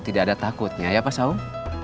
tidak ada takutnya ya pak saung